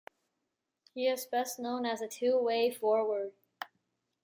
He is best known as a two-way forward.